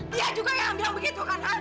dia juga yang bilang begitu kan